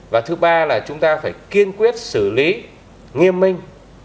và thứ ba là chúng ta phải kiên quyết xử lý nghiêm minh